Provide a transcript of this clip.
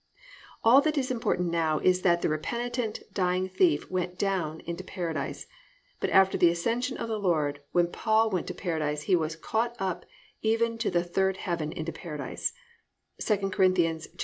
All that is important now is that the repentant, dying thief went down into Paradise, but after the ascension of the Lord, when Paul went to Paradise, he was +"caught up even to the third heaven into Paradise"+ (II Cor.